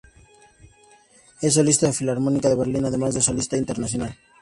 Es solista de la Orquesta Filarmónica de Berlín además de Solista internacional.